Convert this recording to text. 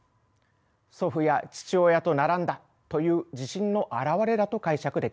祖父や父親と並んだという自信の表れだと解釈できます。